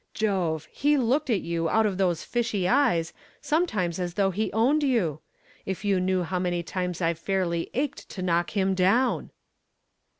Jove! he looked at you, out of those fishy eyes, sometimes as though he owned you. If you knew how many times I've fairly ached to knock him down!"